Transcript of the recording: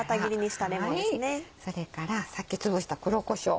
それからさっきつぶした黒こしょう。